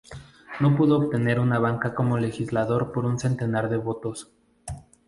No pudo obtener una banca como Legislador por un centenar de votos.